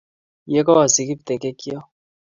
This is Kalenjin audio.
ye kasik kiptengekyo